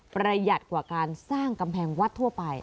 ประหยัดกว่าการสร้างกำแพงวัดทั่วไป